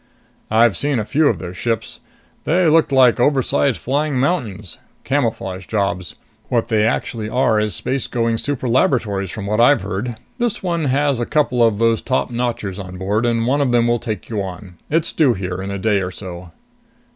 "I've seen a few of their ships they looked like oversized flying mountains. Camouflage jobs. What they actually are is spacegoing superlaboratories, from what I've heard. This one has a couple of those topnotchers on board, and one of them will take you on. It's due here in a day or so."